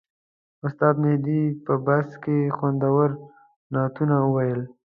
استاد مهدي په بس کې خوندور نعتونه وویل.